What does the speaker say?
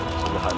tidak bisa begani